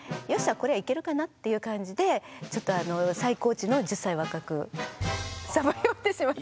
これはいけるかなっていう感じでちょっとあの最高値の１０歳若くさば読んでしまった。